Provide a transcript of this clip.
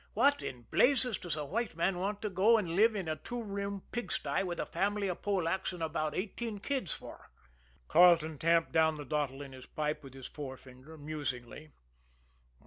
What in blazes does a white man want to go and live in a two room pigsty, with a family of Polacks and about eighteen kids, for?" Carleton tamped down the dottle in his pipe with his forefinger musingly.